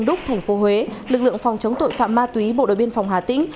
lực lượng phòng chống tội phạm ma túy bộ đội biên phòng hà tĩnh